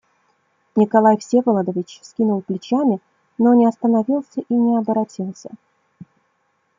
Николай Всеволодович вскинул плечами, но не остановился и не оборотился.